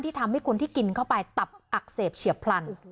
ทำให้คนที่กินเข้าไปตับอักเสบเฉียบพลัน